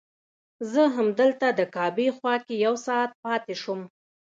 زه همدلته د کعبې خوا کې یو ساعت پاتې شوم.